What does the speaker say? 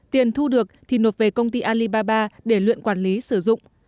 tiền thu được thì nộp về công ty alibaba để luyện quản lý sử dụng